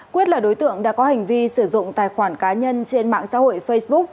quyết là đối tượng đã có hành vi sử dụng tài khoản cá nhân trên mạng xã hội facebook